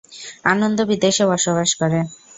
আনন্দ বিদেশে বসবাস করে।